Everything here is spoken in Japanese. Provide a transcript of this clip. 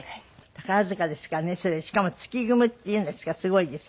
それでしかも月組っていうんですからすごいです。